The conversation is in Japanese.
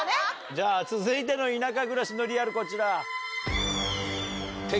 じゃあ、続いての田舎暮らしのリアル、こちら。